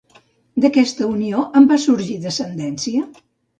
D'aquesta unió en va sorgir descendència?